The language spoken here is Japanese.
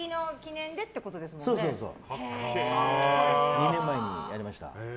２年前にやりました。